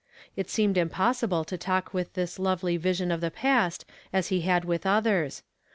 It seemed impossible to talk with this lovely vision of the pasi as lie hid with others.